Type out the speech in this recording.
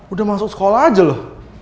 udah masuk sekolah aja loh